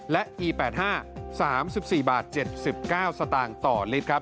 และอี๘๕๓๔บาท๗๙สตางค์ต่อลิตรครับ